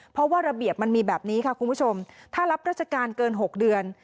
เพราะว่าระเบียบมันมีแบบนี้ค่ะคุณผู้ชมถ้ารับราชการเกิน๖เดือน